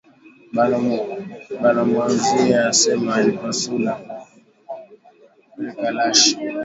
Banamuwazia asema alipasula rikalashi